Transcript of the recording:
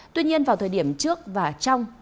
tuy nhiên vào thời điểm trước và trong